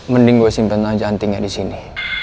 mending gue simpen aja antingnya disini